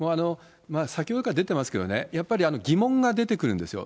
先ほどから出てますけれども、やっぱり疑問が出てくるんですよ。